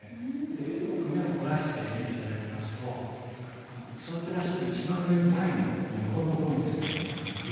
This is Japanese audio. でよく目を凝らして見て頂きますと座ってらっしゃる一番上の台の横のところにですね